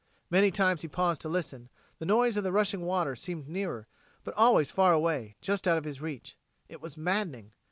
Many times he paused to listen; the noise of the rushing water seemed nearer, but always far away, just out of his reach. It was maddening.